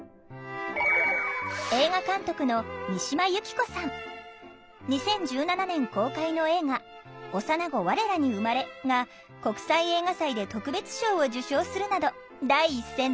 言われて実は声優の声を２０１７年公開の映画「幼な子われらに生まれ」が国際映画祭で特別賞を受賞するなど第一線で活躍。